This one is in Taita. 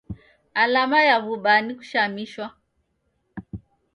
Alama ya w'ubaa ni kushamishwa